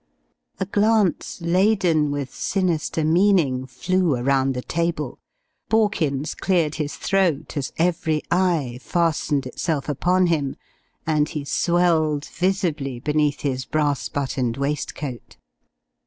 A glance laden with sinister meaning flew around the table. Borkins cleared his throat as every eye fastened itself upon him, and he swelled visibly beneath his brass buttoned waistcoat.